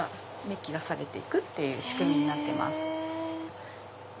メッキがされて行くっていう仕組みになってます。